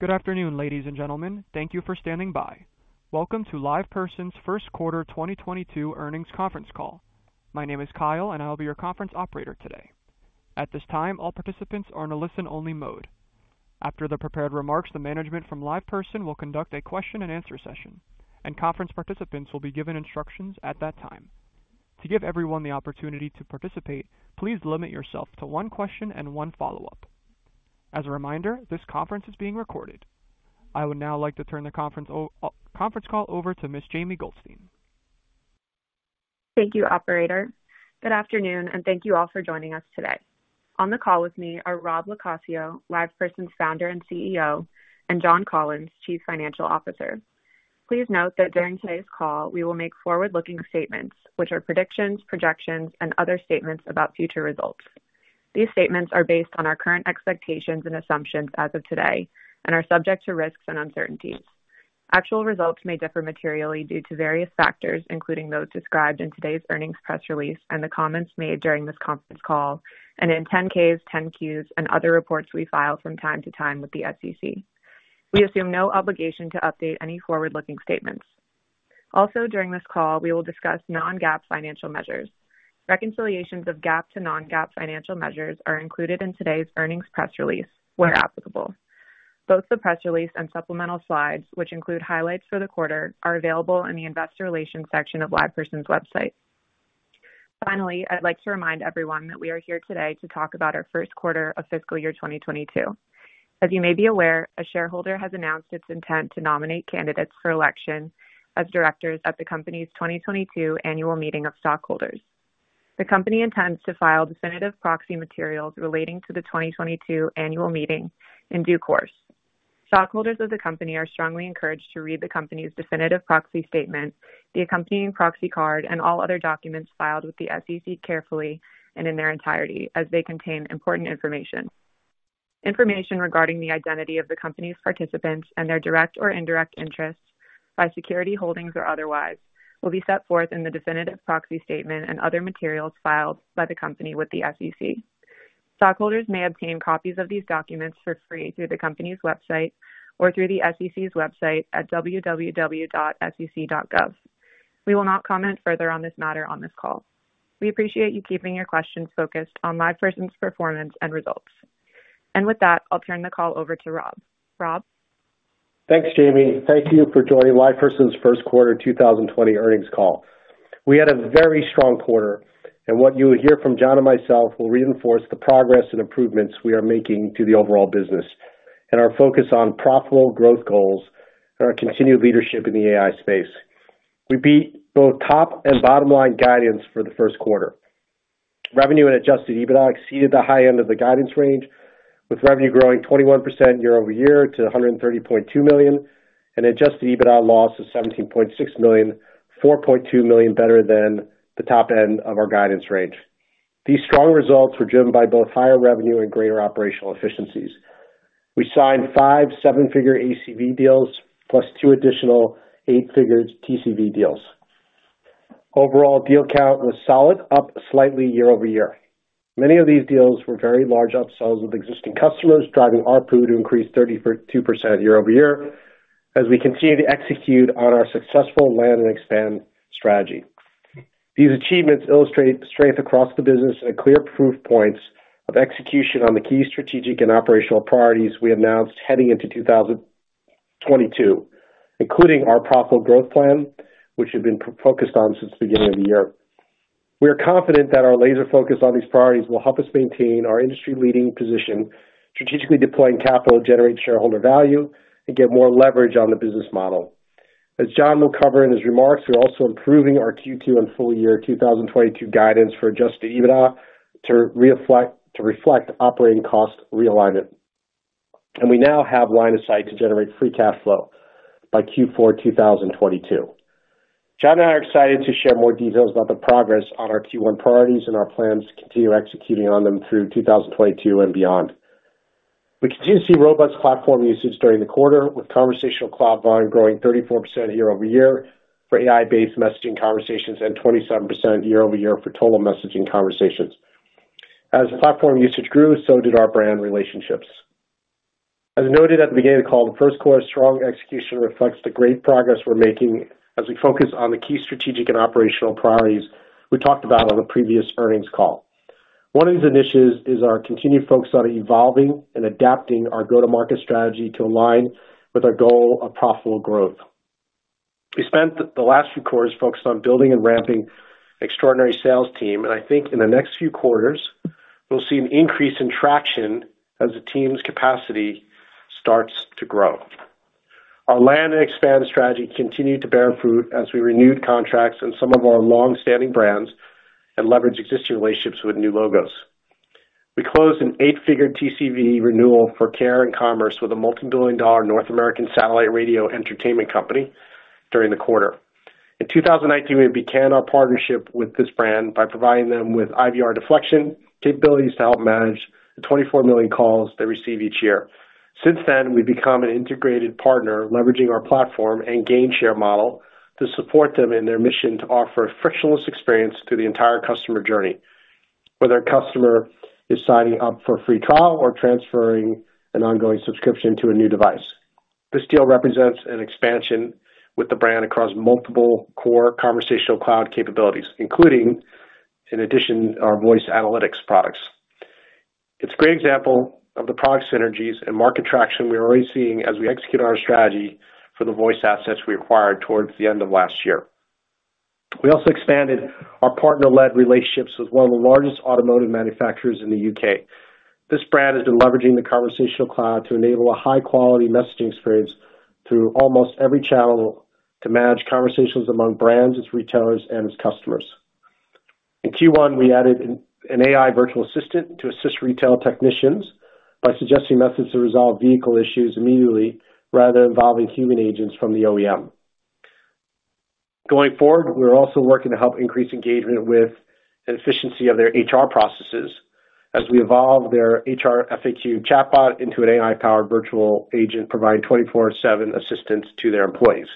Good afternoon, ladies and gentlemen. Thank you for standing by. Welcome to LivePerson's First Quarter 2022 Earnings Conference Call. My name is Kyle, and I'll be your conference operator today. At this time, all participants are in a listen-only mode. After the prepared remarks, the management from LivePerson will conduct a question-and-answer session, and conference participants will be given instructions at that time. To give everyone the opportunity to participate, please limit yourself to one question and one follow-up. As a reminder, this conference is being recorded. I would now like to turn the conference call over to Ms. Jamie Goldstein. Thank you, operator. Good afternoon and thank you all for joining us today. On the call with me are Rob LoCascio, LivePerson's Founder and CEO, and John Collins, Chief Financial Officer. Please note that during today's call, we will make forward-looking statements, which are predictions, projections, and other statements about future results. These statements are based on our current expectations and assumptions as of today and are subject to risks and uncertainties. Actual results may differ materially due to various factors, including those described in today's earnings press release and the comments made during this conference call and in 10-Ks, 10-Qs and other reports we file from time to time with the SEC. We assume no obligation to update any forward-looking statements. Also, during this call, we will discuss non-GAAP financial measures. Reconciliations of GAAP to non-GAAP financial measures are included in today's earnings press release where applicable. Both the press release and supplemental slides, which include highlights for the quarter, are available in the Investor Relations section of LivePerson's website. Finally, I'd like to remind everyone that we are here today to talk about our first quarter of fiscal year 2022. As you may be aware, a shareholder has announced its intent to nominate candidates for election as directors at the company's 2022 annual meeting of stockholders. The company intends to file definitive proxy materials relating to the 2022 annual meeting in due course. Stockholders of the company are strongly encouraged to read the company's definitive proxy statement, the accompanying proxy card, and all other documents filed with the SEC carefully and in their entirety, as they contain important information. Information regarding the identity of the company's participants and their direct or indirect interest by security holdings or otherwise, will be set forth in the definitive proxy statement and other materials filed by the company with the SEC. Stockholders may obtain copies of these documents for free through the company's website or through the SEC's website at www.sec.gov. We will not comment further on this matter on this call. We appreciate you keeping your questions focused on LivePerson's performance and results. With that, I'll turn the call over to Rob. Rob? Thanks, Jamie. Thank you for joining LivePerson's first quarter 2022 earnings call. We had a very strong quarter, and what you will hear from John and myself will reinforce the progress and improvements we are making to the overall business and our focus on profitable growth goals and our continued leadership in the AI space. We beat both top and bottom-line guidance for the first quarter. Revenue and adjusted EBITDA exceeded the high end of the guidance range, with revenue growing 21% year-over-year to $130.2 million and adjusted EBITDA loss of $17.6 million, $4.2 million better than the top end of our guidance range. These strong results were driven by both higher revenue and greater operational efficiencies. We signed five seven-figure ACV deals plus two additional eight-figure TCV deals. Overall deal count was solid, up slightly year-over-year. Many of these deals were very large upsells with existing customers, driving ARPU to increase 32% year-over-year as we continue to execute on our successful land and expand strategy. These achievements illustrate strength across the business and clear proof points of execution on the key strategic and operational priorities we announced heading into 2022, including our profitable growth plan, which we've been focused on since the beginning of the year. We are confident that our laser focus on these priorities will help us maintain our industry-leading position, strategically deploying capital to generate shareholder value and get more leverage on the business model. As John will cover in his remarks, we're also improving our Q2 and full year 2022 guidance for adjusted EBITDA to reflect operating cost realignment. We now have line of sight to generate free cash flow by Q4 2022. John and I are excited to share more details about the progress on our Q1 priorities and our plans to continue executing on them through 2022 and beyond. We continue to see robust platform usage during the quarter, with Conversational Cloud volume growing 34% year-over-year for AI-based messaging conversations and 27% year-over-year for total messaging conversations. As the platform usage grew, so did our brand relationships. As noted at the beginning of the call, the first quarter strong execution reflects the great progress we're making as we focus on the key strategic and operational priorities we talked about on the previous earnings call. One of these initiatives is our continued focus on evolving and adapting our go-to-market strategy to align with our goal of profitable growth. We spent the last few quarters focused on building and ramping extraordinary sales team, and I think in the next few quarters, we'll see an increase in traction as the team's capacity starts to grow. Our land and expand strategy continued to bear fruit as we renewed contracts on some of our long-standing brands and leveraged existing relationships with new logos. We closed an eight-figure TCV renewal for care and commerce with a multi-billion-dollar North American satellite radio entertainment company during the quarter. In 2019, we began our partnership with this brand by providing them with IVR deflection capabilities to help manage the 24 million calls they receive each year. Since then, we've become an integrated partner, leveraging our platform and Gainshare model to support them in their mission to offer a frictionless experience through the entire customer journey. Whether a customer is signing up for a free trial or transferring an ongoing subscription to a new device. This deal represents an expansion with the brand across multiple core Conversational Cloud capabilities, including, in addition, our voice analytics products. It's a great example of the product synergies and market traction we're already seeing as we execute our strategy for the voice assets we acquired towards the end of last year. We also expanded our partner-led relationships with one of the largest automotive manufacturers in the U.K. This brand has been leveraging the Conversational Cloud to enable a high-quality messaging experience through almost every channel to manage conversations among brands, its retailers, and its customers. In Q1, we added an AI virtual assistant to assist retail technicians by suggesting methods to resolve vehicle issues immediately rather than involving human agents from the OEM. Going forward, we're also working to help increase engagement with the efficiency of their HR processes as we evolve their HR FAQ chatbot into an AI-powered virtual agent, providing 24/7 assistance to their employees.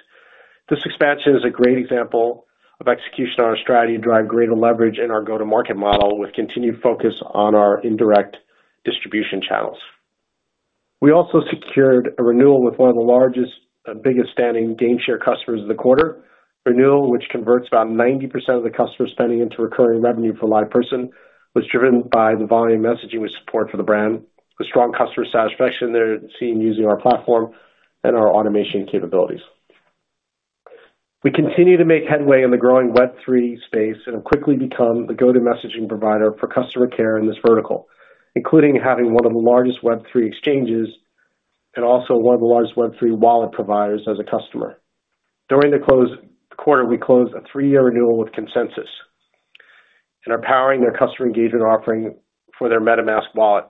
This expansion is a great example of execution on our strategy to drive greater leverage in our go-to-market model with continued focus on our indirect distribution channels. We also secured a renewal with one of the largest and biggest standalone Gainshare customers of the quarter. Renewal, which converts about 90% of the customer spending into recurring revenue for LivePerson, was driven by the volume messaging with support for the brand, the strong customer satisfaction they're seeing using our platform, and our automation capabilities. We continue to make headway in the growing web3 space and have quickly become the go-to messaging provider for customer care in this vertical, including having one of the largest web3 exchanges and also one of the largest web3 wallet providers as a customer. During the quarter, we closed a three-year renewal with ConsenSys and are powering their customer engagement offering for their MetaMask wallet.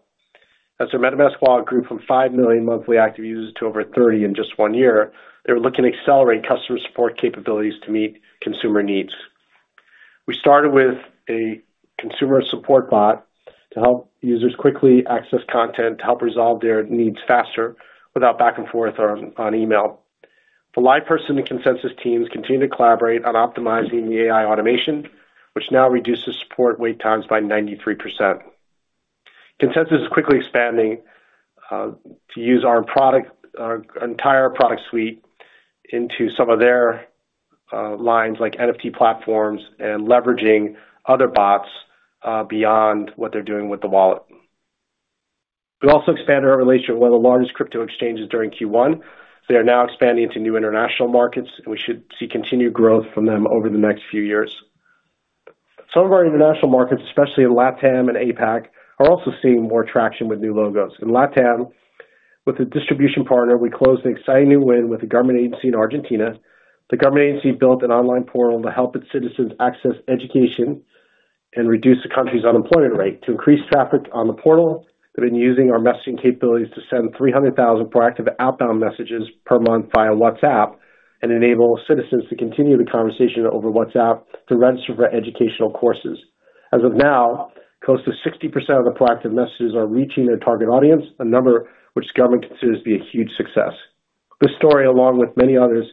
As their MetaMask wallet grew from 5 million monthly active users to over 30 million in just one year, they were looking to accelerate customer support capabilities to meet consumer needs. We started with a consumer support bot to help users quickly access content to help resolve their needs faster without back and forth or on email. The LivePerson and ConsenSys teams continue to collaborate on optimizing the AI automation, which now reduces support wait times by 93%. ConsenSys is quickly expanding to use our product, our entire product suite into some of their lines like NFT platforms and leveraging other bots beyond what they're doing with the wallet. We also expanded our relationship with one of the largest crypto exchanges during Q1. They are now expanding to new international markets, and we should see continued growth from them over the next few years. Some of our international markets, especially in LatAm and APAC, are also seeing more traction with new logos. In LatAm, with the distribution partner, we closed an exciting new win with a government agency in Argentina. The government agency built an online portal to help its citizens access education and reduce the country's unemployment rate. To increase traffic on the portal, they've been using our messaging capabilities to send 300,000 proactive outbound messages per month via WhatsApp and enable citizens to continue the conversation over WhatsApp to register for educational courses. As of now, close to 60% of the proactive messages are reaching their target audience, a number which the government considers to be a huge success. This story, along with many other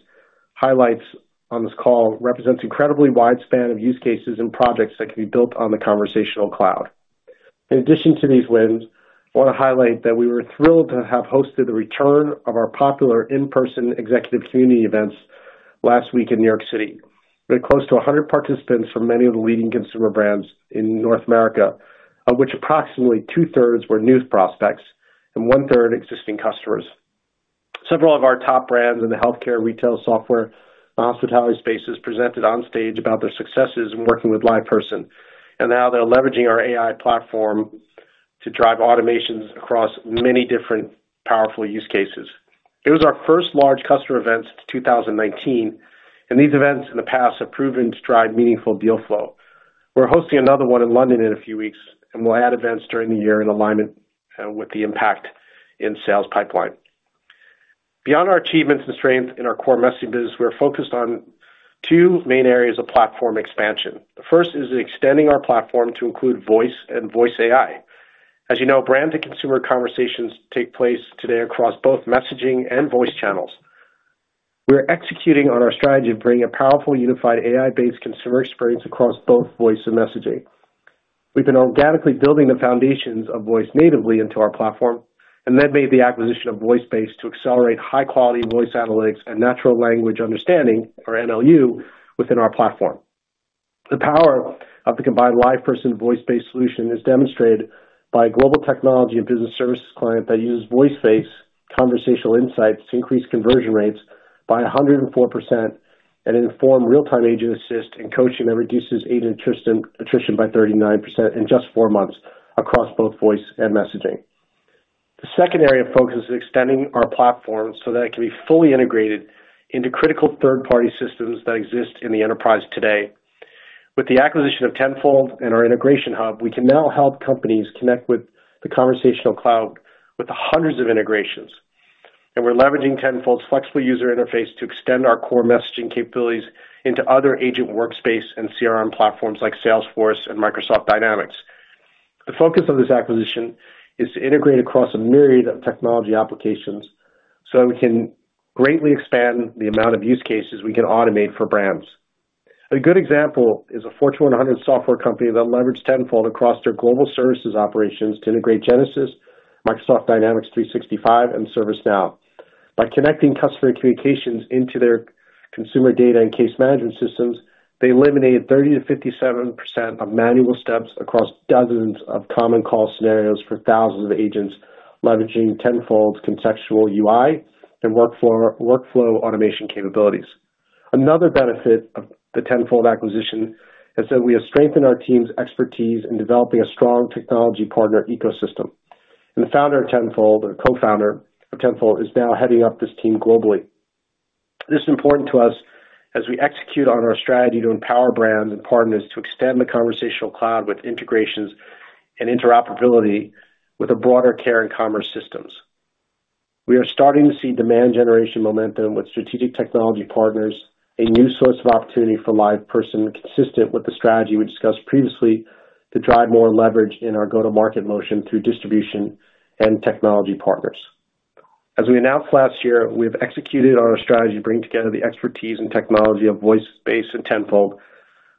highlights on this call, represents incredibly wide span of use cases and projects that can be built on the Conversational Cloud. In addition to these wins, I wanna highlight that we were thrilled to have hosted the return of our popular in-person executive community events last week in New York City. We had close to 100 participants from many of the leading consumer brands in North America, of which approximately 2/3 were new prospects and 1/3 existing customers. Several of our top brands in the healthcare, retail, software, and hospitality spaces presented on stage about their successes in working with LivePerson and how they're leveraging our AI platform to drive automations across many different powerful use cases. It was our first large customer event since 2019, and these events in the past have proven to drive meaningful deal flow. We're hosting another one in London in a few weeks, and we'll add events during the year in alignment with the impact in sales pipeline. Beyond our achievements and strength in our core messaging business, we're focused on two main areas of platform expansion. The first is extending our platform to include voice and voice AI. As you know, brand to consumer conversations take place today across both messaging and voice channels. We're executing on our strategy of bringing a powerful, unified AI-based consumer experience across both voice and messaging. We've been organically building the foundations of voice natively into our platform and then made the acquisition of VoiceBase to accelerate high-quality voice analytics and Natural Language Understanding, or NLU, within our platform. The power of the combined LivePerson VoiceBase solution is demonstrated by a global technology and business services client that uses VoiceBase conversational insights to increase conversion rates by 104% and inform real-time agent assist and coaching that reduces agent attrition by 39% in just four months across both voice and messaging. The second area of focus is extending our platform so that it can be fully integrated into critical third-party systems that exist in the enterprise today. With the acquisition of Tenfold and our integration hub, we can now help companies connect with the Conversational Cloud with hundreds of integrations. We're leveraging Tenfold's flexible user interface to extend our core messaging capabilities into other agent workspace and CRM platforms like Salesforce and Microsoft Dynamics. The focus of this acquisition is to integrate across a myriad of technology applications. We can greatly expand the amount of use cases we can automate for brands. A good example is a Fortune 100 software company that leveraged Tenfold across their global services operations to integrate Genesys, Microsoft Dynamics 365 and ServiceNow. By connecting customer communications into their consumer data and case management systems, they eliminated 30%-57% of manual steps across dozens of common call scenarios for thousands of agents, leveraging Tenfold's contextual UI and workflow automation capabilities. Another benefit of the Tenfold acquisition is that we have strengthened our team's expertise in developing a strong technology partner ecosystem. The Founder of Tenfold or Co-Founder of Tenfold is now heading up this team globally. This is important to us as we execute on our strategy to empower brands and partners to extend the Conversational Cloud with integrations and interoperability with a broader care and commerce systems. We are starting to see demand generation momentum with strategic technology partners, a new source of opportunity for LivePerson, consistent with the strategy we discussed previously, to drive more leverage in our go-to-market motion through distribution and technology partners. As we announced last year, we have executed on our strategy to bring together the expertise and technology of VoiceBase and Tenfold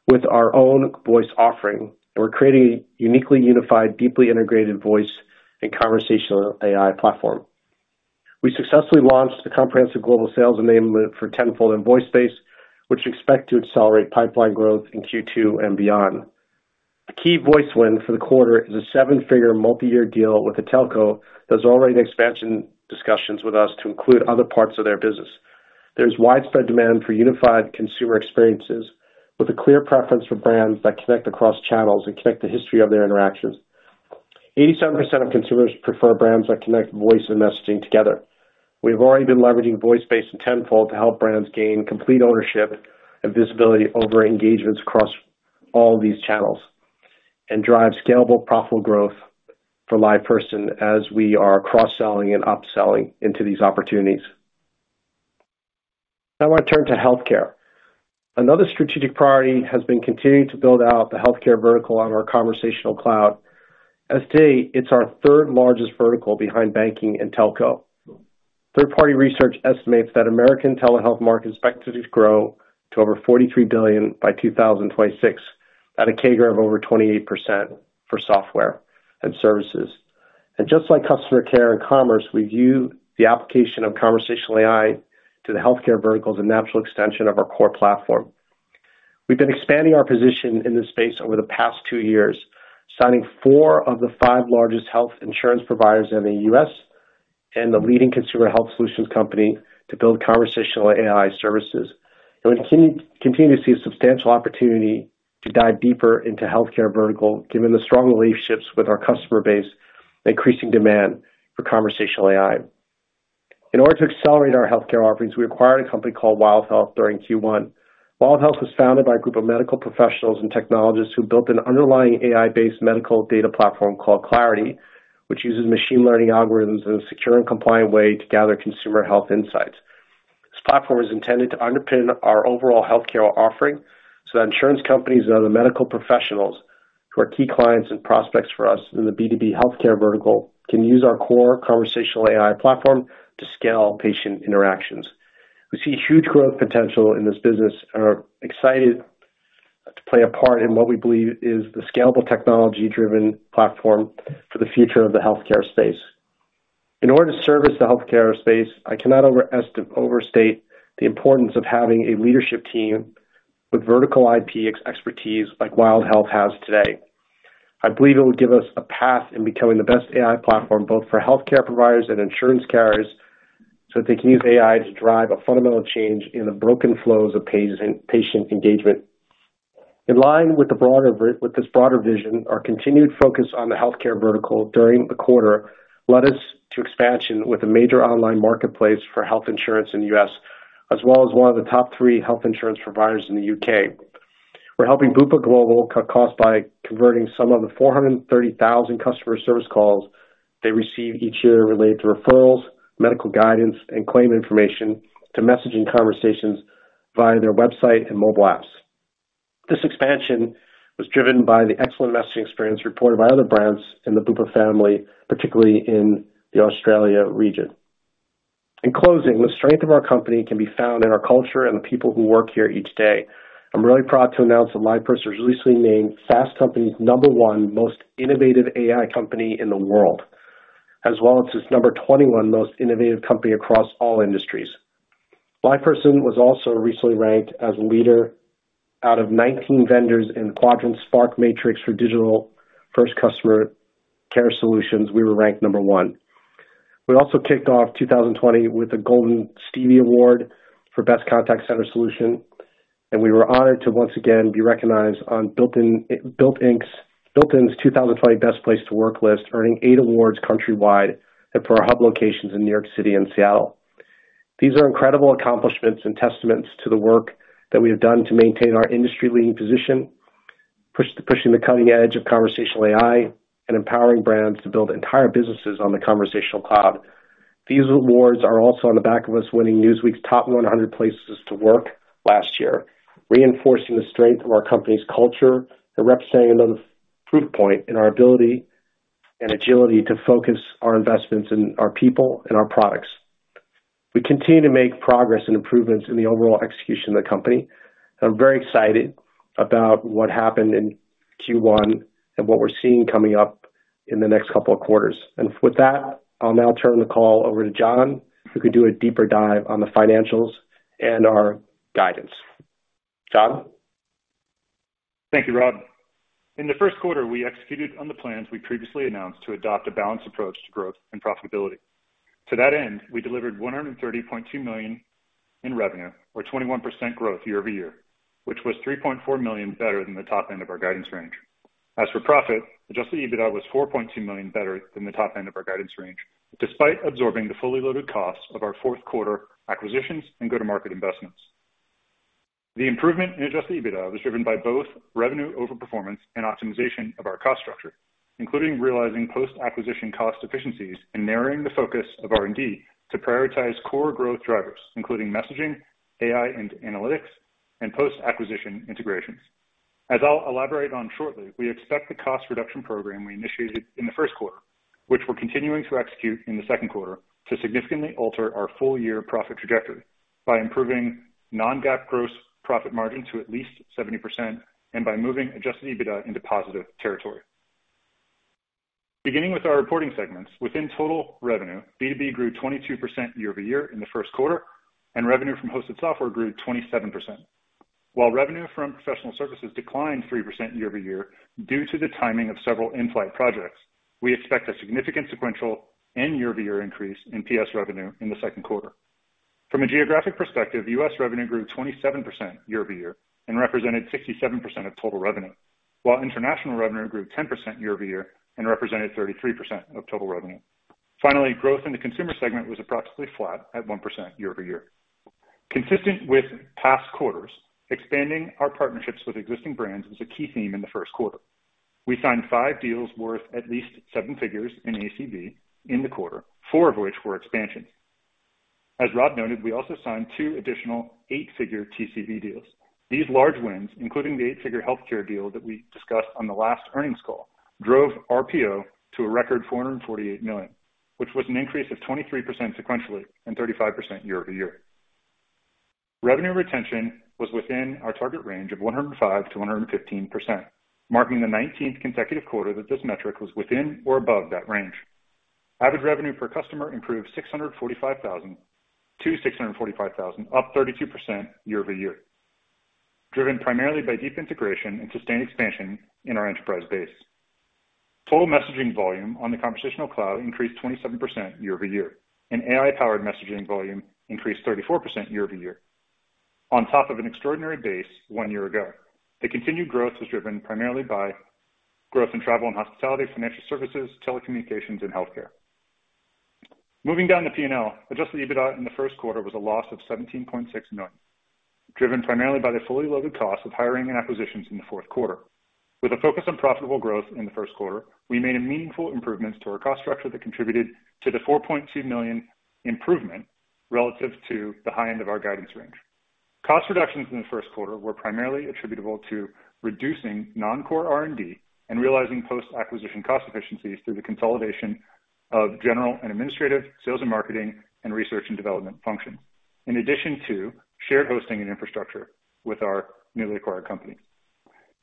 with our own voice offering. We're creating a uniquely unified, deeply integrated voice and conversational AI platform. We successfully launched a comprehensive global sales enablement for Tenfold and VoiceBase, which we expect to accelerate pipeline growth in Q2 and beyond. A key voice win for the quarter is a seven-figure multi-year deal with a telco that's already in expansion discussions with us to include other parts of their business. There's widespread demand for unified consumer experiences with a clear preference for brands that connect across channels and connect the history of their interactions. 87% of consumers prefer brands that connect voice and messaging together. We've already been leveraging VoiceBase and Tenfold to help brands gain complete ownership and visibility over engagements across all these channels and drive scalable, profitable growth for LivePerson as we are cross-selling and upselling into these opportunities. Now I want to turn to healthcare. Another strategic priority has been continuing to build out the healthcare vertical on our Conversational Cloud. As of today, it's our third-largest vertical behind banking and telco. Third-party research estimates that American telehealth market is expected to grow to over $43 billion by 2026 at a CAGR of over 28% for software and services. Just like customer care and commerce, we view the application of conversational AI to the healthcare verticals a natural extension of our core platform. We've been expanding our position in this space over the past two years, signing four of the five largest health insurance providers in the U.S. and the leading consumer health solutions company to build conversational AI services. We continue to see a substantial opportunity to dive deeper into healthcare vertical, given the strong relationships with our customer base and increasing demand for conversational AI. In order to accelerate our healthcare offerings, we acquired a company called WildHealth during Q1. WildHealth was founded by a group of medical professionals and technologists who built an underlying AI-based medical data platform called Clarity, which uses machine learning algorithms in a secure and compliant way to gather consumer health insights. This platform is intended to underpin our overall healthcare offering so that insurance companies and other medical professionals who are key clients and prospects for us in the B2B healthcare vertical can use our core conversational AI platform to scale patient interactions. We see huge growth potential in this business and are excited to play a part in what we believe is the scalable technology-driven platform for the future of the healthcare space. In order to service the healthcare space, I cannot overstate the importance of having a leadership team with vertical IP expertise like WildHealth has today. I believe it will give us a path in becoming the best AI platform both for healthcare providers and insurance carriers, so they can use AI to drive a fundamental change in the broken flows of patient engagement. In line with the broader with this broader vision, our continued focus on the healthcare vertical during the quarter led us to expansion with a major online marketplace for health insurance in the U.S., as well as one of the top three health insurance providers in the U.K. We're helping Bupa Global cut costs by converting some of the 430,000 customer service calls they receive each year related to referrals, medical guidance, and claim information to messaging conversations via their website and mobile apps. This expansion was driven by the excellent messaging experience reported by other brands in the Bupa family, particularly in the Australia region. In closing, the strength of our company can be found in our culture and the people who work here each day. I'm really proud to announce that LivePerson was recently named Fast Company's number one Most Innovative AI Company in the world, as well as its number 21 Most Innovative Company across all industries. LivePerson was also recently ranked as a leader out of 19 vendors in Quadrant's SPARK Matrix for Digital-First Customer Care Solutions. We were ranked number one. We also kicked off 2020 with a Gold Stevie Award for Best Contact Center Solution, and we were honored to once again be recognized on Built In's 2022 Best Place to Work list, earning eight awards countrywide and for our hub locations in New York City and Seattle. These are incredible accomplishments and testaments to the work that we have done to maintain our industry-leading position, pushing the cutting edge of conversational AI and empowering brands to build entire businesses on the Conversational Cloud. These awards are also on the back of us winning Newsweek's top 100 Places to Work last year, reinforcing the strength of our company's culture and representative proof point in our ability and agility to focus our investments in our people and our products. We continue to make progress and improvements in the overall execution of the company. I'm very excited about what happened in Q1 and what we're seeing coming up in the next couple of quarters. With that, I'll now turn the call over to John, who could do a deeper dive on the financials and our guidance. John? Thank you, Rob. In the first quarter, we executed on the plans we previously announced to adopt a balanced approach to growth and profitability. To that end, we delivered $130.2 million in revenue or 21% growth year-over-year, which was $3.4 million better than the top end of our guidance range. As for profit, adjusted EBITDA was $4.2 million better than the top end of our guidance range, despite absorbing the fully loaded costs of our fourth quarter acquisitions and go-to-market investments. The improvement in adjusted EBITDA was driven by both revenue overperformance and optimization of our cost structure, including realizing post-acquisition cost efficiencies and narrowing the focus of R&D to prioritize core growth drivers, including messaging, AI and analytics, and post-acquisition integrations. As I'll elaborate on shortly, we expect the cost reduction program we initiated in the first quarter, which we're continuing to execute in the second quarter, to significantly alter our full-year profit trajectory by improving non-GAAP gross profit margin to at least 70% and by moving adjusted EBITDA into positive territory. Beginning with our reporting segments, within total revenue, B2B grew 22% year-over-year in the first quarter, and revenue from hosted software grew 27%. While revenue from professional services declined 3% year-over-year due to the timing of several in-flight projects, we expect a significant sequential and year-over-year increase in PS revenue in the second quarter. From a geographic perspective, U.S. revenue grew 27% year-over-year and represented 67% of total revenue, while international revenue grew 10% year-over-year and represented 33% of total revenue. Finally, growth in the consumer segment was approximately flat at 1% year-over-year. Consistent with past quarters, expanding our partnerships with existing brands was a key theme in the first quarter. We signed five deals worth at least seven figures in ACV in the quarter, four of which were expansions. As Rob noted, we also signed two additional eight-figure TCV deals. These large wins, including the eight-figure healthcare deal that we discussed on the last earnings call, drove RPO to a record $448 million, which was an increase of 23% sequentially and 35% year-over-year. Revenue retention was within our target range of 105%-115%, marking the 19th consecutive quarter that this metric was within or above that range. Average revenue per customer improved to 645,000, up 32% year-over-year, driven primarily by deep integration and sustained expansion in our enterprise base. Total messaging volume on the Conversational Cloud increased 27% year-over-year, and AI-powered messaging volume increased 34% year-over-year on top of an extraordinary base one year ago. The continued growth was driven primarily by growth in travel and hospitality, financial services, telecommunications, and healthcare. Moving down the P&L, adjusted EBITDA in the first quarter was a loss of $17.6 million, driven primarily by the fully loaded cost of hiring and acquisitions in the fourth quarter. With a focus on profitable growth in the first quarter, we made meaningful improvements to our cost structure that contributed to the $4.2 million improvement relative to the high end of our guidance range. Cost reductions in the first quarter were primarily attributable to reducing non-core R&D and realizing post-acquisition cost efficiencies through the consolidation of general and administrative, sales and marketing, and research and development functions, in addition to shared hosting and infrastructure with our newly acquired company.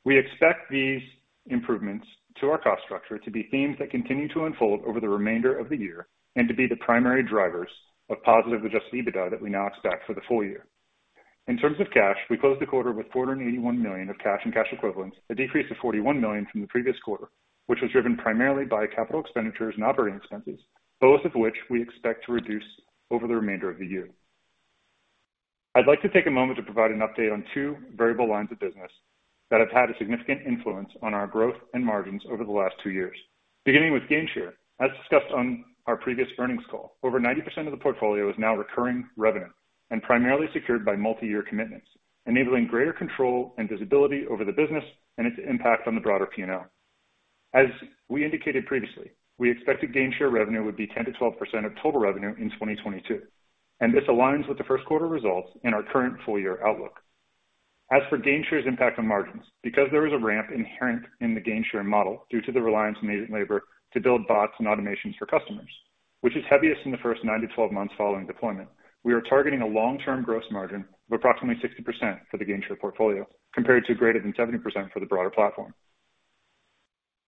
We expect these improvements to our cost structure to be themes that continue to unfold over the remainder of the year and to be the primary drivers of positive adjusted EBITDA that we now expect for the full year. In terms of cash, we closed the quarter with $481 million of cash and cash equivalents, a decrease of $41 million from the previous quarter, which was driven primarily by capital expenditures and operating expenses, both of which we expect to reduce over the remainder of the year. I'd like to take a moment to provide an update on two variable lines of business that have had a significant influence on our growth and margins over the last two years. Beginning with Gainshare, as discussed on our previous earnings call, over 90% of the portfolio is now recurring revenue and primarily secured by multi-year commitments, enabling greater control and visibility over the business and its impact on the broader P&L. As we indicated previously, we expected Gainshare revenue would be 10%-12% of total revenue in 2022, and this aligns with the first quarter results in our current full-year outlook. As for Gainshare's impact on margins, because there is a ramp inherent in the Gainshare model due to the reliance on labor to build bots and automations for customers, which is heaviest in the first nine to twelve months following deployment, we are targeting a long-term gross margin of approximately 60% for the Gainshare portfolio, compared to greater than 70% for the broader platform.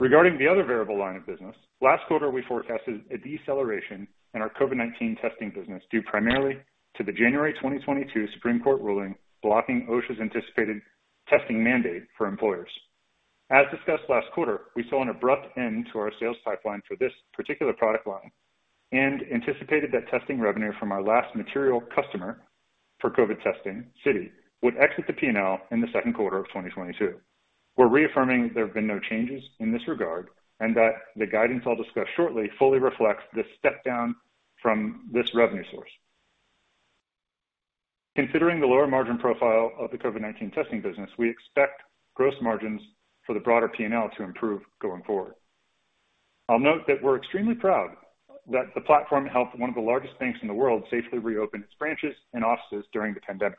Regarding the other variable line of business, last quarter we forecasted a deceleration in our COVID-19 testing business, due primarily to the January 2022 Supreme Court ruling blocking OSHA's anticipated testing mandate for employers. As discussed last quarter, we saw an abrupt end to our sales pipeline for this particular product line and anticipated that testing revenue from our last material customer for COVID testing, Citi, would exit the P&L in the second quarter of 2022. We're reaffirming there have been no changes in this regard and that the guidance I'll discuss shortly fully reflects the step down from this revenue source. Considering the lower margin profile of the COVID-19 testing business, we expect gross margins for the broader P&L to improve going forward. I'll note that we're extremely proud that the platform helped one of the largest banks in the world safely reopen its branches and offices during the pandemic,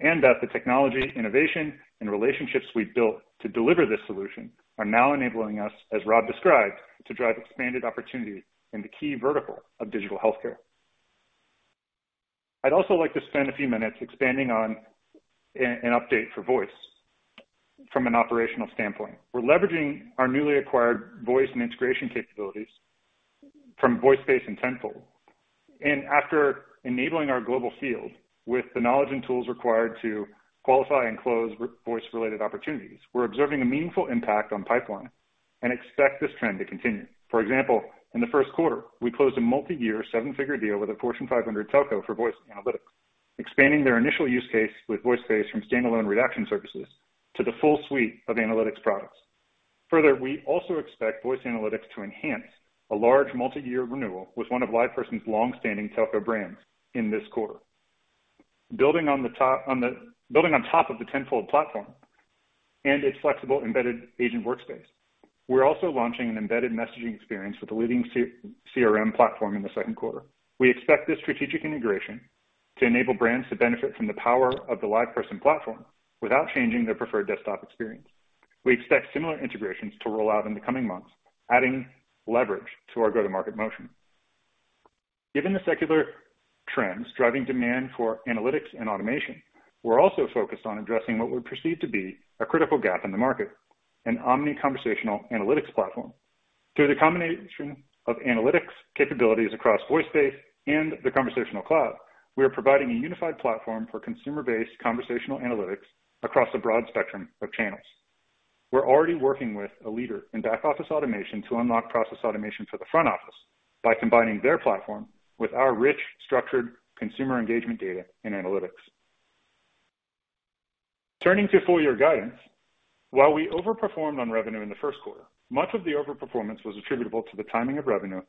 and that the technology, innovation, and relationships we've built to deliver this solution are now enabling us, as Rob described, to drive expanded opportunity in the key vertical of digital healthcare. I'd also like to spend a few minutes expanding on an update for Voice from an operational standpoint. We're leveraging our newly acquired voice and integration capabilities from VoiceBase and Tenfold. After enabling our global field with the knowledge and tools required to qualify and close voice-related opportunities, we're observing a meaningful impact on pipeline and expect this trend to continue. For example, in the first quarter, we closed a multi-year seven-figure deal with a Fortune 500 telco for voice analytics, expanding their initial use case with VoiceBase from standalone redaction services to the full suite of analytics products. Further, we also expect voice analytics to enhance a large multi-year renewal with one of LivePerson's long-standing telco brands in this quarter. Building on top of the Tenfold platform and its flexible embedded agent workspace, we're also launching an embedded messaging experience with a leading CRM platform in the second quarter. We expect this strategic integration to enable brands to benefit from the power of the LivePerson platform without changing their preferred desktop experience. We expect similar integrations to roll out in the coming months, adding leverage to our go-to-market motion. Given the secular trends driving demand for analytics and automation, we're also focused on addressing what we perceive to be a critical gap in the market, an omni-conversational analytics platform. Through the combination of analytics capabilities across VoiceBase and the Conversational Cloud, we are providing a unified platform for consumer-based conversational analytics across a broad spectrum of channels. We're already working with a leader in back-office automation to unlock process automation for the front office by combining their platform with our rich, structured consumer engagement data and analytics. Turning to full-year guidance. While we overperformed on revenue in the first quarter, much of the overperformance was attributable to the timing of revenue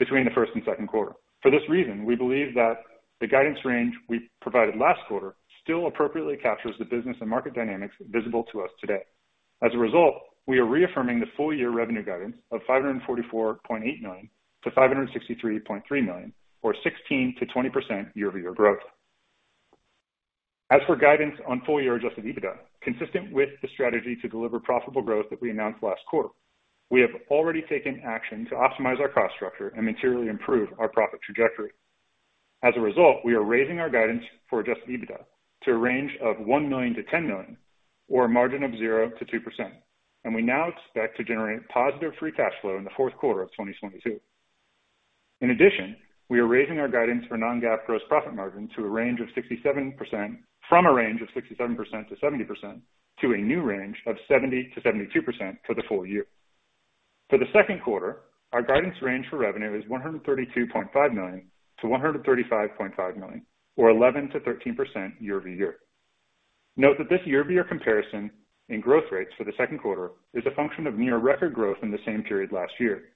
between the first and second quarter. For this reason, we believe that the guidance range we provided last quarter still appropriately captures the business and market dynamics visible to us today. As a result, we are reaffirming the full year revenue guidance of $544.8 million-$563.3 million, or 16%-20% year-over-year growth. As for guidance on full-year adjusted EBITDA, consistent with the strategy to deliver profitable growth that we announced last quarter, we have already taken action to optimize our cost structure and materially improve our profit trajectory. As a result, we are raising our guidance for adjusted EBITDA to a range of $1 million-$10 million, or a margin of 0%-2%. We now expect to generate positive free cash flow in the fourth quarter of 2022. In addition, we are raising our guidance for non-GAAP gross profit margin to a range of 67%, from a range of 67%-70% to a new range of 70%-72% for the full year. For the second quarter, our guidance range for revenue is $132.5 million-$135.5 million, or 11%-13% year-over-year. Note that this year-over-year comparison in growth rates for the second quarter is a function of near record growth in the same period last year.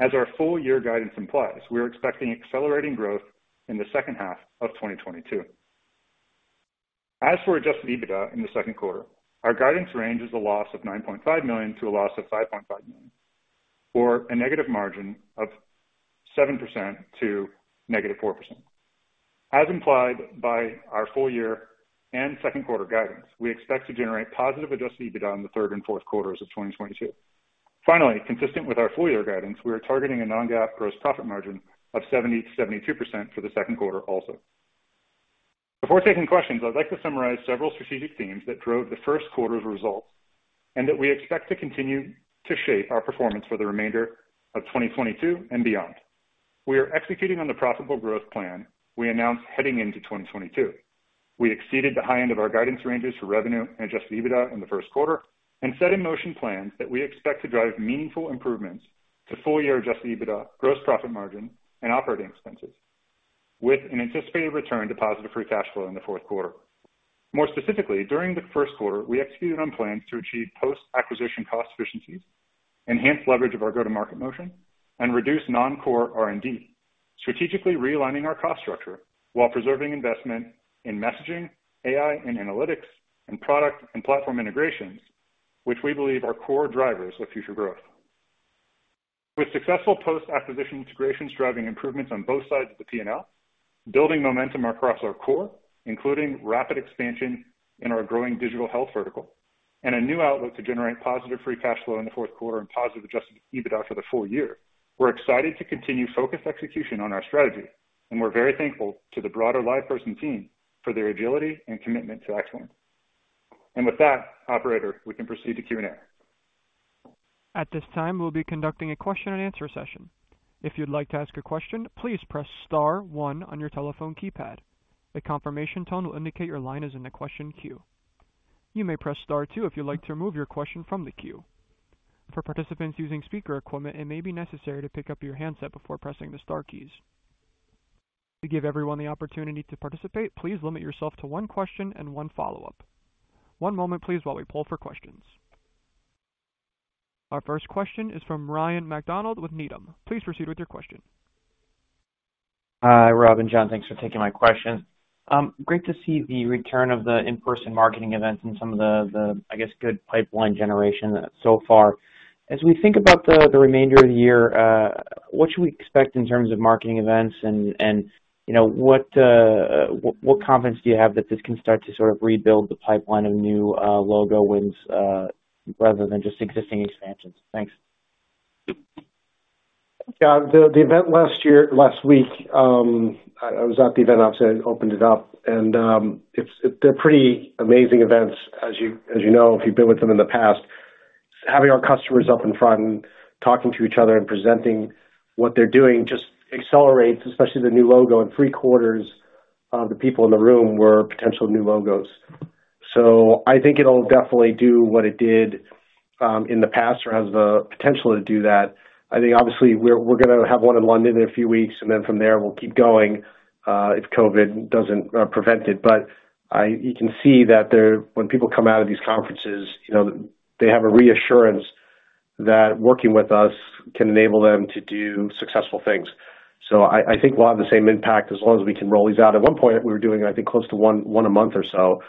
Our full year guidance implies, we are expecting accelerating growth in the second half of 2022. As for adjusted EBITDA in the second quarter, our guidance range is a loss of $9.5 million to a loss of $5.5 million, or a negative margin of -7% to -4%. Our full year and second quarter guidance implies, we expect to generate positive adjusted EBITDA in the third and fourth quarters of 2022. Finally, consistent with our full year guidance, we are targeting a non-GAAP gross profit margin of 70%-72% for the second quarter also. Before taking questions, I'd like to summarize several strategic themes that drove the first quarter's results and that we expect to continue to shape our performance for the remainder of 2022 and beyond. We are executing on the profitable growth plan we announced heading into 2022. We exceeded the high end of our guidance ranges for revenue and adjusted EBITDA in the first quarter and set in motion plans that we expect to drive meaningful improvements to full year adjusted EBITDA, gross profit margin, and operating expenses with an anticipated return to positive free cash flow in the fourth quarter. More specifically, during the first quarter, we executed on plans to achieve post-acquisition cost efficiencies, enhance leverage of our go-to-market motion, and reduce non-core R&D, strategically realigning our cost structure while preserving investment in messaging, AI and analytics, and product and platform integrations, which we believe are core drivers of future growth. With successful post-acquisition integrations driving improvements on both sides of the P&L, building momentum across our core, including rapid expansion in our growing digital health vertical and a new outlook to generate positive free cash flow in the fourth quarter and positive adjusted EBITDA for the full year, we're excited to continue focused execution on our strategy, and we're very thankful to the broader LivePerson team for their agility and commitment to excellence. With that, operator, we can proceed to Q&A. At this time, we'll be conducting a question-and-answer session. If you'd like to ask a question, please press star one on your telephone keypad. A confirmation tone will indicate your line is in the question queue. You may press star two if you'd like to remove your question from the queue. For participants using speaker equipment, it may be necessary to pick up your handset before pressing the star keys. To give everyone the opportunity to participate, please limit yourself to one question and one follow-up. One moment, please, while we pull for questions. Our first question is from Ryan MacDonald with Needham. Please proceed with your question. Hi, Rob and John. Thanks for taking my question. Great to see the return of the in-person marketing events and some of the, I guess, good pipeline generation so far. As we think about the remainder of the year, what should we expect in terms of marketing events and, you know, what confidence do you have that this can start to sort of rebuild the pipeline of new logo wins, rather than just existing expansions? Thanks. The event last week, I was at the event, obviously. I opened it up, and they're pretty amazing events as you know, if you've been with them in the past. Having our customers up in front and talking to each other and presenting what they're doing just accelerates, especially the new logo, and 3/4 of the people in the room were potential new logos. I think it'll definitely do what it did in the past or has the potential to do that. I think obviously we're gonna have one in London in a few weeks, and then from there we'll keep going, if COVID doesn't prevent it. You can see that there when people come out of these conferences, you know, they have a reassurance that working with us can enable them to do successful things. I think we'll have the same impact as long as we can roll these out. At one point, we were doing, I think, close to one a month or so,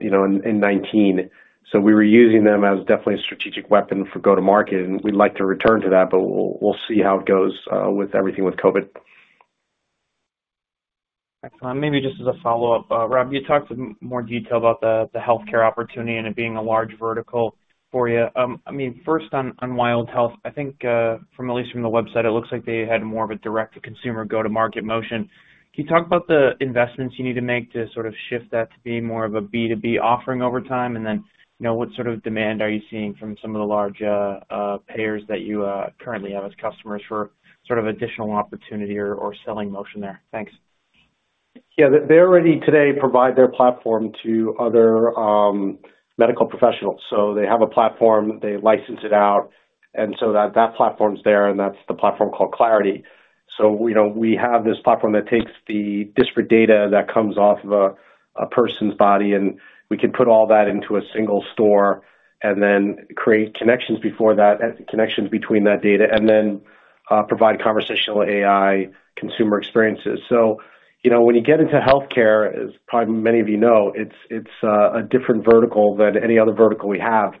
you know, in 2019. We were using them as definitely a strategic weapon for go-to-market, and we'd like to return to that, but we'll see how it goes with everything with COVID. Excellent. Maybe just as a follow-up, Rob, you talked in more detail about the healthcare opportunity and it being a large vertical for you. I mean, first on WildHealth, I think, from at least the website, it looks like they had more of a direct-to-consumer go-to-market motion. Can you talk about the investments you need to make to sort of shift that to being more of a B2B offering over time? You know, what sort of demand are you seeing from some of the large payers that you currently have as customers for sort of additional opportunity or selling motion there? Thanks. Yeah. They already today provide their platform to other medical professionals. They have a platform, they license it out, and that platform's there, and that's the platform called Clarity. You know, we have this platform that takes the disparate data that comes off of a person's body, and we can put all that into a single store and then create connections between that data, and then provide conversational AI consumer experiences. You know, when you get into healthcare, as probably many of you know, it's a different vertical than any other vertical we have.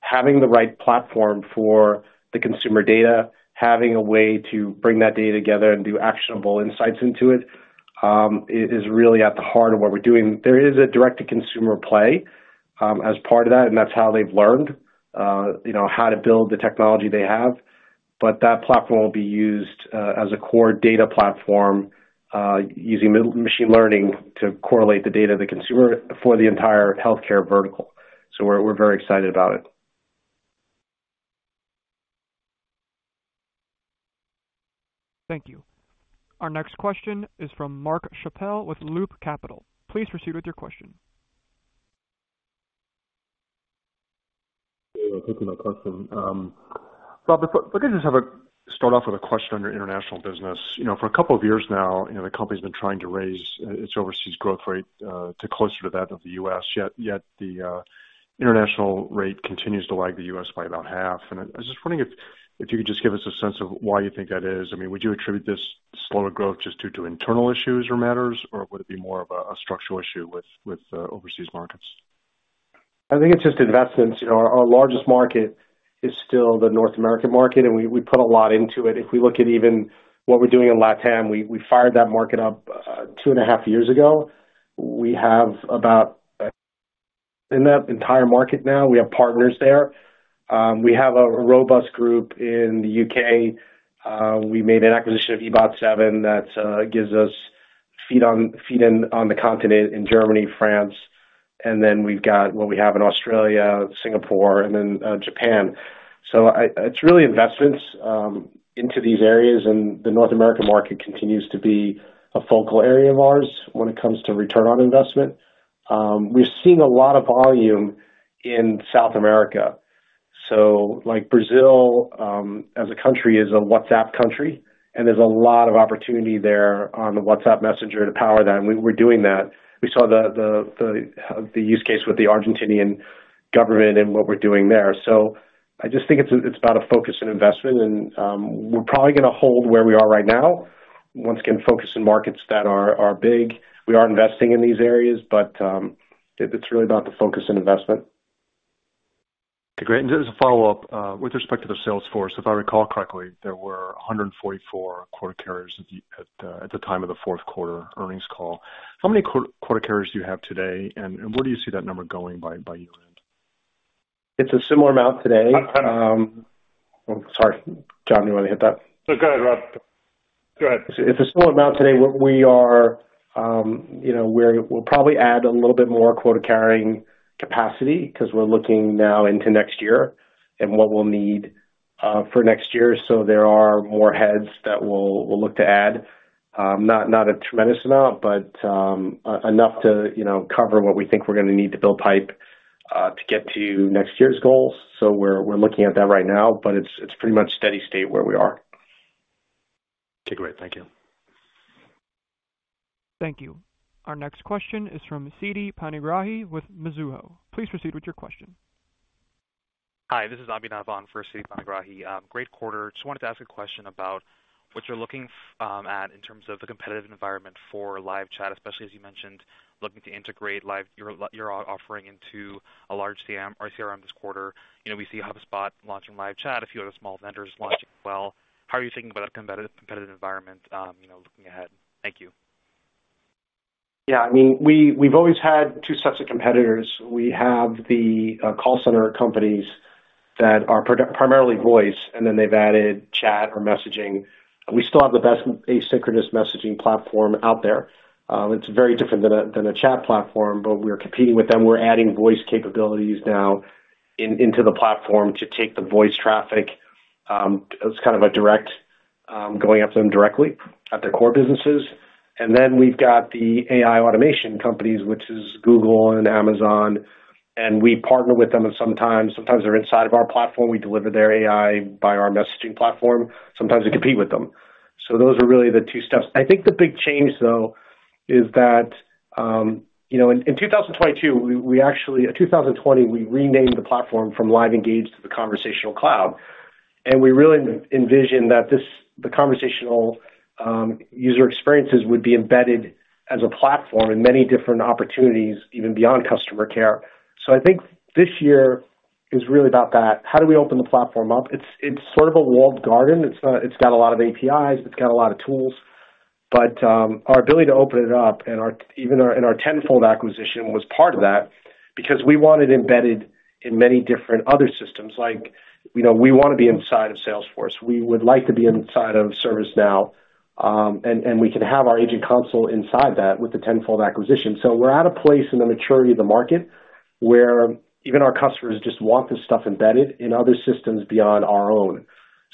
Having the right platform for the consumer data, having a way to bring that data together and do actionable insights into it, is really at the heart of what we're doing. There is a direct-to-consumer play, as part of that, and that's how they've learned, you know, how to build the technology they have. That platform will be used, as a core data platform, using machine learning to correlate the data of the consumer for the entire healthcare vertical. We're very excited about it. Thank you. Our next question is from Mark Schappel with Loop Capital. Please proceed with your question. Rob, if I could just start off with a question on your international business. You know, for a couple of years now, you know, the company's been trying to raise its overseas growth rate to closer to that of the U.S., yet the international rate continues to lag the U.S. by about half. I was just wondering if you could just give us a sense of why you think that is. I mean, would you attribute this slower growth just due to internal issues or matters, or would it be more of a structural issue with overseas markets? I think it's just investments. You know, our largest market is still the North American market, and we put a lot into it. If we look at even what we're doing in LatAm, we fired that market up 2.5 years ago. We have about in that entire market now, we have partners there. We have a robust group in the U.K. We made an acquisition of e-bot7 that gives us feet on the continent in Germany, France, and then we've got what we have in Australia, Singapore, and then Japan. It's really investments into these areas, and the North American market continues to be a focal area of ours when it comes to return on investment. We've seen a lot of volume in South America. Like Brazil, as a country is a WhatsApp country, and there's a lot of opportunity there on the WhatsApp messenger to power that, and we're doing that. We saw the use case with the Argentinian government and what we're doing there. I just think it's about a focus and investment, and we're probably gonna hold where we are right now. Once again, focus on markets that are big. We are investing in these areas, but it's really about the focus and investment. Okay, great. Just as a follow-up, with respect to the sales force, if I recall correctly, there were 144 quota carriers at the time of the fourth quarter earnings call. How many quota carriers do you have today, and where do you see that number going by? [inaudible] It's a similar amount today. Oh, sorry. John, do you wanna hit that? No, go ahead, Rob. Go ahead. It's a similar amount today. We are you know we'll probably add a little bit more quota-carrying capacity 'cause we're looking now into next year and what we'll need for next year. There are more heads that we'll look to add. Not a tremendous amount, but enough to you know cover what we think we're gonna need to build pipe to get to next year's goals. We're looking at that right now, but it's pretty much steady state where we are. Okay, great. Thank you. Thank you. Our next question is from Siti Panigrahi with Mizuho. Please proceed with your question. Hi, this is Abhinav on for Siti. Great quarter. Just wanted to ask a question about what you're looking at in terms of the competitive environment for LiveChat, especially as you mentioned looking to integrate your offering into a large CRM this quarter. You know, we see HubSpot launching LiveChat, a few other small vendors launching as well. How are you thinking about a competitive environment, you know, looking ahead? Thank you. Yeah. I mean, we've always had two sets of competitors. We have the call center companies that are primarily voice, and then they've added chat or messaging. We still have the best asynchronous messaging platform out there. It's very different than a chat platform, but we're competing with them. We're adding voice capabilities now into the platform to take the voice traffic, as kind of a direct, going after them directly at their core businesses. Then we've got the AI automation companies, which is Google and Amazon, and we partner with them sometimes. Sometimes they're inside of our platform. We deliver their AI by our messaging platform. Sometimes we compete with them. Those are really the two steps. I think the big change, though, is that, you know, in 2020, we renamed the platform from LiveEngage to the Conversational Cloud, and we really re-envisioned that this, the conversational, user experiences would be embedded as a platform in many different opportunities, even beyond customer care. I think this year is really about that. How do we open the platform up? It's sort of a walled garden. It's got a lot of APIs, it's got a lot of tools. But, our ability to open it up and our Tenfold acquisition was part of that because we want it embedded in many different other systems. Like, you know, we wanna be inside of Salesforce. We would like to be inside of ServiceNow, and we can have our agent console inside that with the Tenfold acquisition. We're at a place in the maturity of the market where even our customers just want this stuff embedded in other systems beyond our own.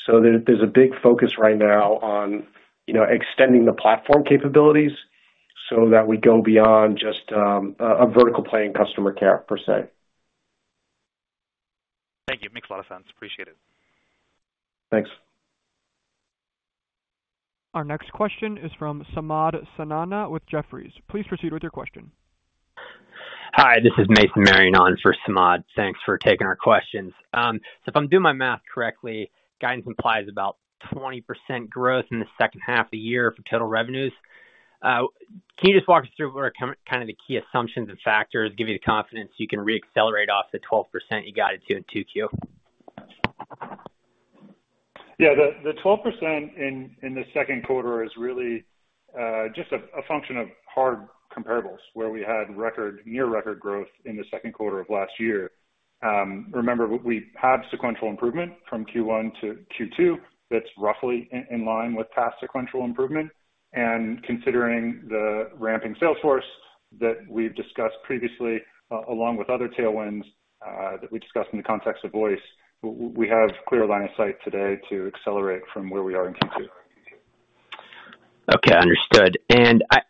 There's a big focus right now on, you know, extending the platform capabilities so that we go beyond just a vertical play in customer care per se. Thank you. Makes a lot of sense. Appreciate it. Thanks. Our next question is from Samad Samana with Jefferies. Please proceed with your question. Hi, this is Mason Marion on for Samad. Thanks for taking our questions. If I'm doing my math correctly, guidance implies about 20% growth in the second half of the year for total revenues. Can you just walk us through what are kind of the key assumptions and factors give you the confidence you can reaccelerate off the 12% you guided to in 2Q? Yeah. The 12% in the second quarter is really just a function of hard comparables where we had record, near record growth in the second quarter of last year. Remember, we had sequential improvement from Q1 to Q2 that's roughly in line with past sequential improvement. Considering the ramping sales force that we've discussed previously, along with other tailwinds that we discussed in the context of voice, we have clear line of sight today to accelerate from where we are in Q2. Okay, understood.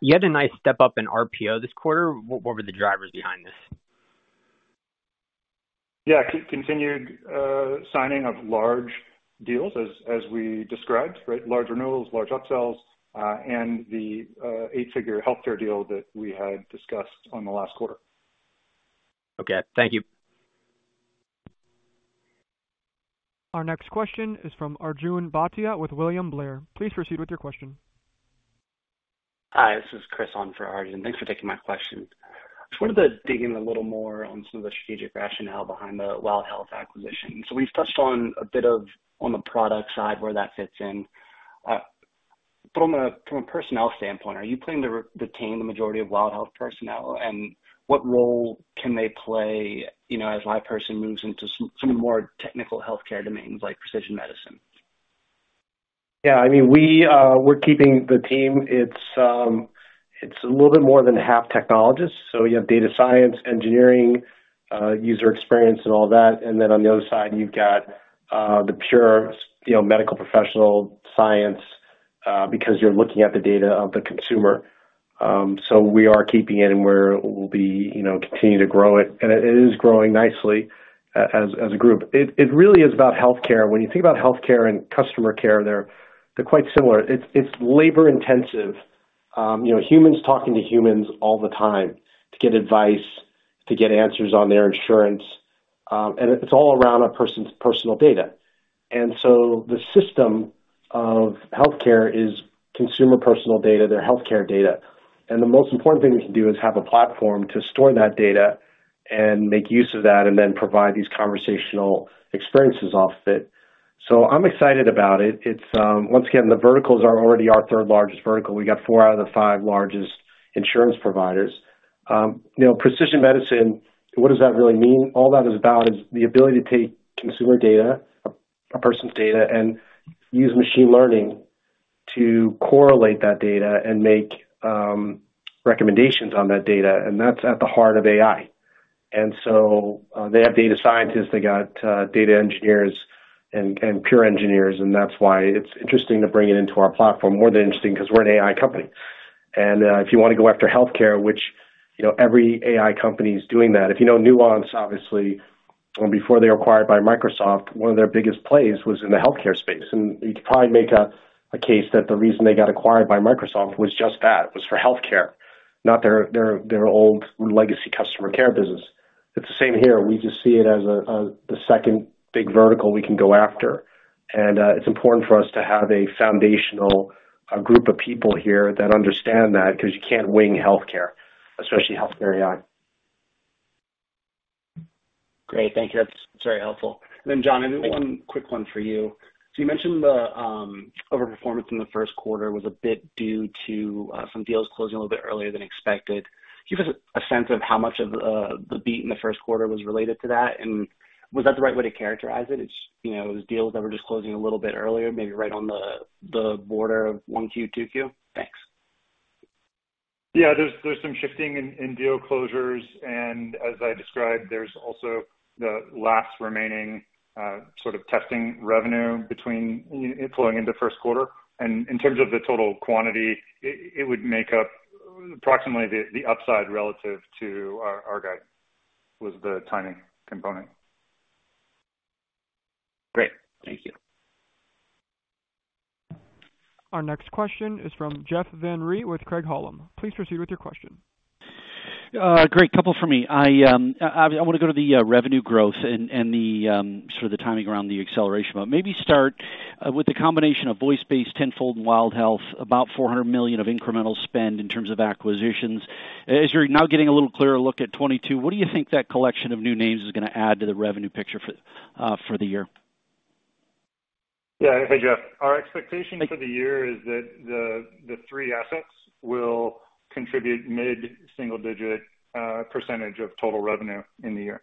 You had a nice step up in RPO this quarter. What were the drivers behind this? Continued signing of large deals as we described, right? Large renewals, large upsells, and the eight-figure healthcare deal that we had discussed in the last quarter. Okay. Thank you. Our next question is from Arjun Bhatia with William Blair. Please proceed with your question. Hi, this is Chris on for Arjun. Thanks for taking my question. Just wanted to dig in a little more on some of the strategic rationale behind the WildHealth acquisition. We've touched on a bit of, on the product side, where that fits in. From a personnel standpoint, are you planning to retain the majority of WildHealth personnel, and what role can they play, you know, as LivePerson moves into some more technical healthcare domains like precision medicine? Yeah. I mean, we're keeping the team. It's a little bit more than half technologists. You have data science, engineering, user experience and all that. On the other side you've got the pure, you know, medical professional science, because you're looking at the data of the consumer. We are keeping it and we'll be, you know, continue to grow it. It is growing nicely as a group. It really is about healthcare. When you think about healthcare and customer care, they're quite similar. It's labor intensive. You know, humans talking to humans all the time to get advice, to get answers on their insurance. It's all around a person's personal data. The system of healthcare is consumer personal data, their healthcare data. The most important thing we can do is have a platform to store that data and make use of that, and then provide these conversational experiences off it. I'm excited about it. It's once again, the verticals are already our third largest vertical. We got four out of the five largest insurance providers. You know, precision medicine, what does that really mean? All that is about is the ability to take consumer data, a person's data, and use machine learning to correlate that data and make recommendations on that data, and that's at the heart of AI. They have data scientists, they got data engineers and product engineers, and that's why it's interesting to bring it into our platform. More than interesting, 'cause we're an AI company. If you wanna go after healthcare, which, you know, every AI company is doing that. If you know Nuance, obviously, or before they were acquired by Microsoft, one of their biggest plays was in the healthcare space. You could probably make a case that the reason they got acquired by Microsoft was just that. It was for healthcare. Not their old legacy customer care business. It's the same here. We just see it as the second big vertical we can go after. It's important for us to have a foundational group of people here that understand that because you can't wing healthcare, especially health care AI. Great. Thank you. That's very helpful. John, one quick one for you. You mentioned the overperformance in the first quarter was a bit due to some deals closing a little bit earlier than expected. Give us a sense of how much of the beat in the first quarter was related to that, and was that the right way to characterize it? It's, you know, deals that were just closing a little bit earlier, maybe right on the border of 1Q, 2Q. Thanks. Yeah, there's some shifting in deal closures. As I described, there's also the last remaining sort of testing revenue that's flowing into first quarter. In terms of the total quantity, it would make up approximately the upside relative to our guide was the timing component. Great. Thank you. Our next question is from Jeff Van Rhee with Craig-Hallum. Please proceed with your question. Great. Couple for me. I wanna go to the revenue growth and the sort of the timing around the acceleration. Maybe start with the combination of VoiceBase, Tenfold, and WildHealth, about $400 million of incremental spend in terms of acquisitions. As you're now getting a little clearer look at 2022, what do you think that collection of new names is gonna add to the revenue picture for the year? Yeah. Hey, Jeff. Our expectation for the year is that the three assets will contribute mid-single-digit percentage of total revenue in the year.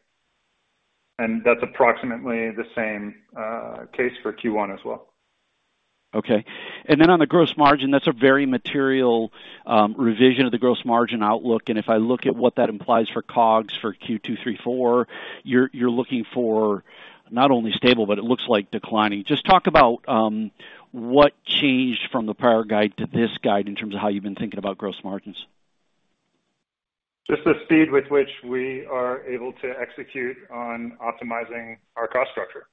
That's approximately the same case for Q1 as well. Okay. Then on the gross margin, that's a very material revision of the gross margin outlook. If I look at what that implies for COGS for Q2, Q3, Q4, you're looking for not only stable, but it looks like declining. Just talk about what changed from the prior guide to this guide in terms of how you've been thinking about gross margins. Just the speed with which we are able to execute on optimizing our cost structure.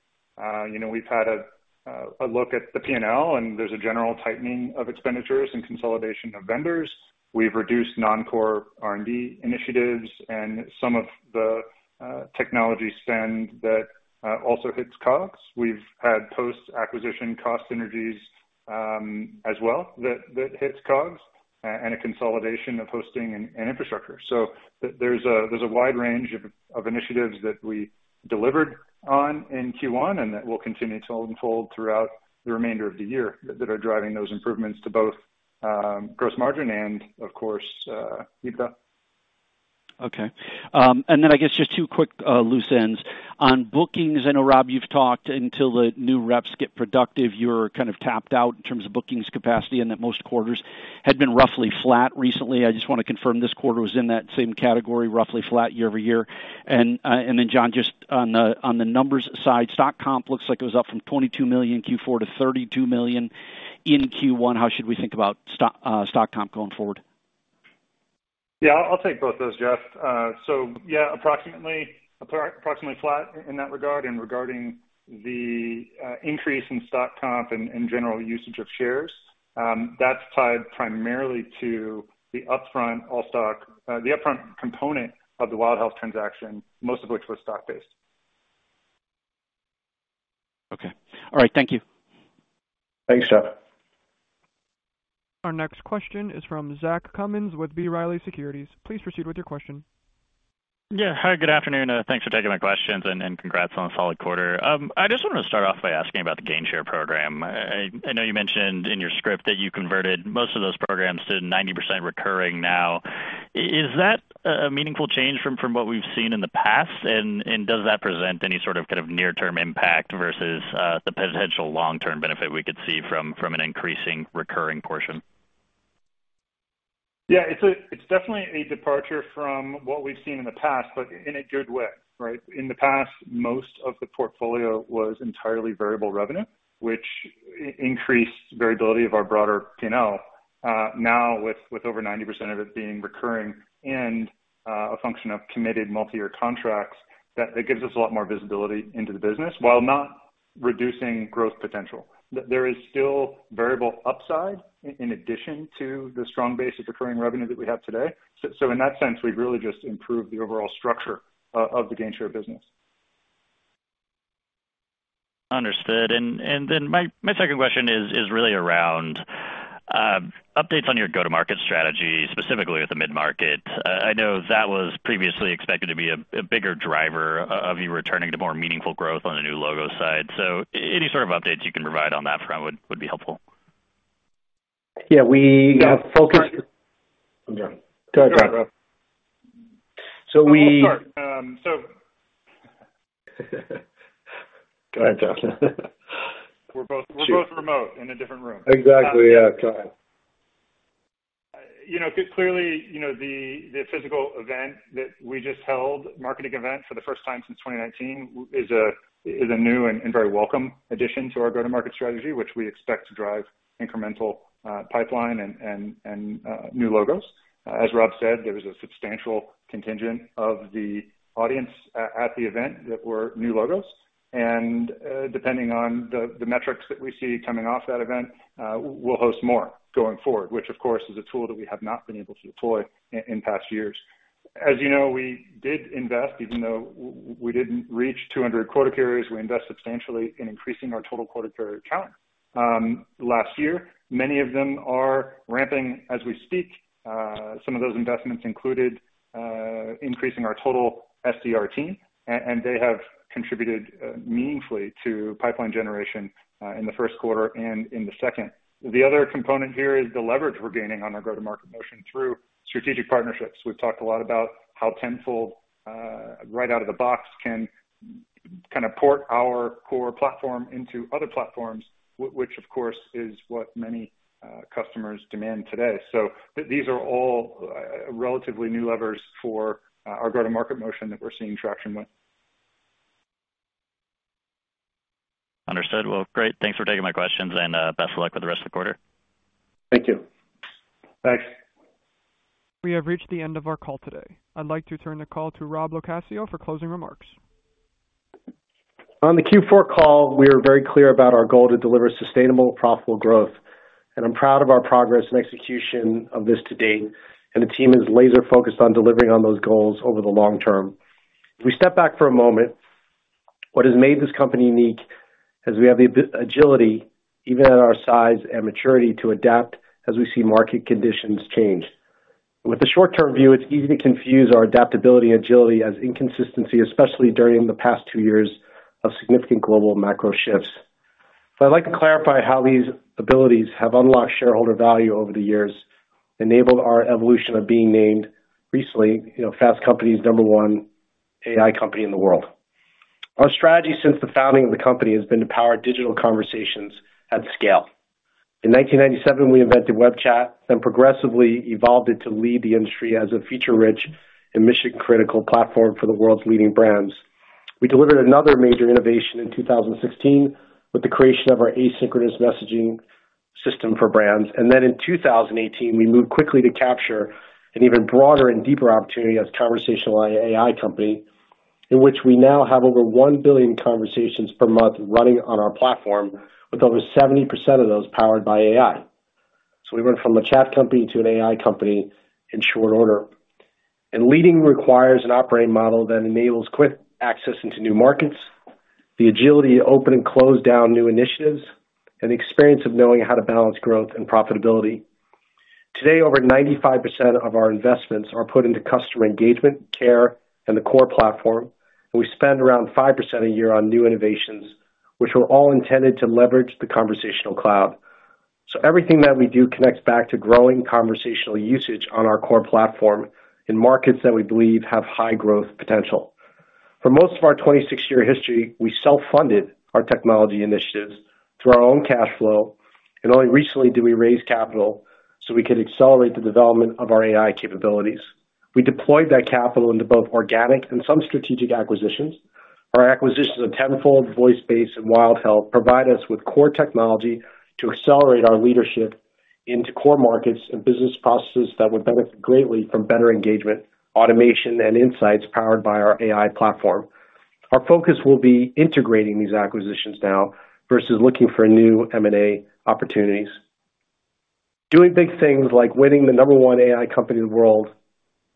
You know, we've had a look at the P&L, and there's a general tightening of expenditures and consolidation of vendors. We've reduced non-core R&D initiatives and some of the technology spend that also hits COGS. We've had post-acquisition cost synergies, as well that hits COGS and a consolidation of hosting and infrastructure. So there's a wide range of initiatives that we delivered on in Q1, and that will continue to unfold throughout the remainder of the year that are driving those improvements to both gross margin and, of course, EBITDA. Okay. I guess just two quick, loose ends. On bookings, I know, Rob, you've talked until the new reps get productive, you've kind of tapped out in terms of bookings capacity, and that most quarters had been roughly flat recently. I just wanna confirm this quarter was in that same category, roughly flat year-over-year. John, just on the, on the numbers side, stock comp looks like it was up from $22 million Q4 to $32 million in Q1. How should we think about stock comp going forward? Yeah, I'll take both those, Jeff. Yeah, approximately flat in that regard. Regarding the increase in stock comp and general usage of shares, that's tied primarily to the upfront component of the WildHealth transaction, most of which was stock-based. Okay. All right. Thank you. Thanks, Jeff. Our next question is from Zach Cummins with B. Riley Securities. Please proceed with your question. Yeah. Hi, good afternoon. Thanks for taking my questions, and congrats on a solid quarter. I just wanted to start off by asking about the Gainshare program. I know you mentioned in your script that you converted most of those programs to 90% recurring now. Is that a meaningful change from what we've seen in the past? And does that present any sort of kind of near-term impact versus the potential long-term benefit we could see from an increasing recurring portion? Yeah, it's definitely a departure from what we've seen in the past, but in a good way, right? In the past, most of the portfolio was entirely variable revenue, which increased variability of our broader P&L. Now with over 90% of it being recurring and a function of committed multi-year contracts, it gives us a lot more visibility into the business while not reducing growth potential. There is still variable upside in addition to the strong base of recurring revenue that we have today. So in that sense, we've really just improved the overall structure of the Gainshare business. Understood. My second question is really around updates on your go-to-market strategy, specifically with the mid-market. I know that was previously expected to be a bigger driver of you returning to more meaningful growth on the new logo side. Any sort of updates you can provide on that front would be helpful. Yeah, we have focused. Sorry. Go ahead. Sorry, Rob. So we- I'll start. Go ahead, John. We're both remote in a different room. Exactly. Yeah. Go ahead. You know, clearly, you know, the physical event that we just held, marketing event for the first time since 2019, is a new and very welcome addition to our go-to-market strategy, which we expect to drive incremental pipeline and new logos. As Rob said, there was a substantial contingent of the audience at the event that were new logos. Depending on the metrics that we see coming off that event, we'll host more going forward, which, of course, is a tool that we have not been able to deploy in past years. As you know, we did invest even though we didn't reach 200 quota carriers, we invest substantially in increasing our total quota carrier count last year. Many of them are ramping as we speak. Some of those investments included increasing our total SDR team, and they have contributed meaningfully to pipeline generation in the first quarter and in the second quarter. The other component here is the leverage we're gaining on our go-to-market motion through strategic partnerships. We've talked a lot about how Tenfold right out of the box can kind of port our core platform into other platforms, which of course is what many customers demand today. These are all relatively new levers for our go-to-market motion that we're seeing traction with. Understood. Well, great. Thanks for taking my questions and, best of luck with the rest of the quarter. Thank you. Thanks. We have reached the end of our call today. I'd like to turn the call to Rob LoCascio for closing remarks. On the Q4 call, we were very clear about our goal to deliver sustainable, profitable growth, and I'm proud of our progress and execution of this to date, and the team is laser focused on delivering on those goals over the long term. If we step back for a moment, what has made this company unique is we have the agility, even at our size, and maturity to adapt as we see market conditions change. With the short-term view, it's easy to confuse our adaptability and agility as inconsistency, especially during the past two years of significant global macro shifts. I'd like to clarify how these abilities have unlocked shareholder value over the years, enabled our evolution of being named recently, you know, Fast Company's number one AI company in the world. Our strategy since the founding of the company has been to power digital conversations at scale. In 1997, we invented web chat, then progressively evolved it to lead the industry as a feature-rich and mission-critical platform for the world's leading brands. We delivered another major innovation in 2016 with the creation of our asynchronous messaging system for brands. In 2018, we moved quickly to capture an even broader and deeper opportunity as conversational AI company, in which we now have over 1 billion conversations per month running on our platform with over 70% of those powered by AI. We went from a chat company to an AI company in short order. Leading requires an operating model that enables quick access into new markets, the agility to open and close down new initiatives, and the experience of knowing how to balance growth and profitability. Today, over 95% of our investments are put into customer engagement, care, and the core platform, and we spend around 5% a year on new innovations, which were all intended to leverage the Conversational Cloud. Everything that we do connects back to growing conversational usage on our core platform in markets that we believe have high growth potential. For most of our 26-year history, we self-funded our technology initiatives through our own cash flow, and only recently did we raise capital so we could accelerate the development of our AI capabilities. We deployed that capital into both organic and some strategic acquisitions. Our acquisitions of Tenfold, VoiceBase, and WildHealth provide us with core technology to accelerate our leadership into core markets and business processes that would benefit greatly from better engagement, automation, and insights powered by our AI platform. Our focus will be integrating these acquisitions now versus looking for new M&A opportunities. Doing big things like winning the number one AI company in the world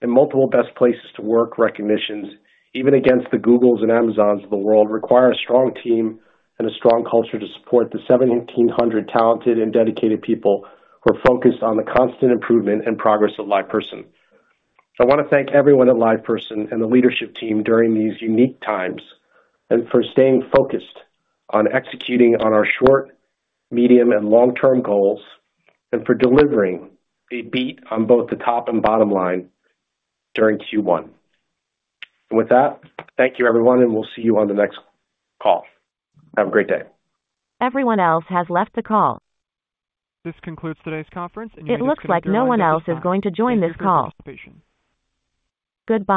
and multiple best places to work recognitions, even against the Googles and Amazons of the world, require a strong team and a strong culture to support the 1,700 talented and dedicated people who are focused on the constant improvement and progress at LivePerson. I wanna thank everyone at LivePerson and the leadership team during these unique times, and for staying focused on executing on our short, medium, and long-term goals, and for delivering a beat on both the top and bottom line during Q1. With that, thank you everyone, and we'll see you on the next call. Have a great day. Everyone else has left the call. This concludes today's conference, and you may disconnect your lines at this time. It looks like no one else is going to join this call. Thank you for your participation. Goodbye.